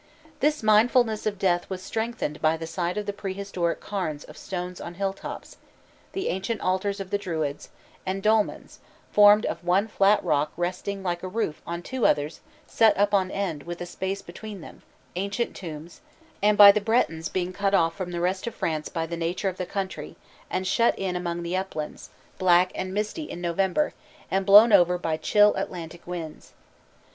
This mindfulness of death was strengthened by the sight of the prehistoric cairns of stones on hilltops, the ancient altars of the Druids, and dolmens, formed of one flat rock resting like a roof on two others set up on end with a space between them, ancient tombs; and by the Bretons being cut off from the rest of France by the nature of the country, and shut in among the uplands, black and misty in November, and blown over by chill Atlantic winds.